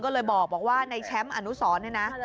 ก็เลยบอกว่าในแชมป์อนุสรเนี่ยนะ